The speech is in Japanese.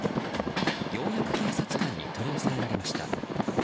ようやく警察官に取り押さえられました。